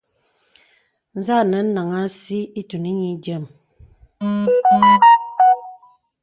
Zà ànə nāŋhàŋ àsī itūn nï dīəm.